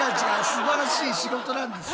すばらしい仕事なんです。